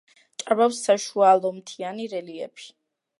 ჭარბობს საშუალომთიანი რელიეფი.